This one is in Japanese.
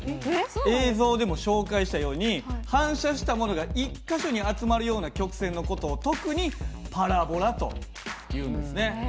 映像でも紹介したように反射したものが１か所に集まるような曲線の事を特にパラボラというんですね。